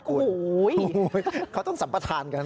ผู้มีจิตศรัทธาสิ